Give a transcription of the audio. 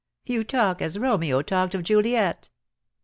"You talk as Romeo talked of Juliet."